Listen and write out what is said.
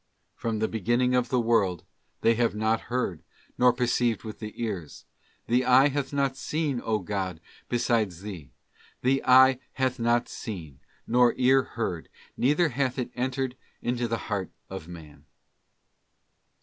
'From the beginning of the world they have not heard, nor perceived with the ears: the eye hath not seen, O God, besides Thee; the eye hath not seen, nor ear heard, neither hath it entered into the heart of man.